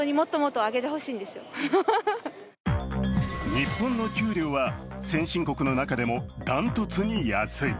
日本の給料は先進国の中でもダントツに安い。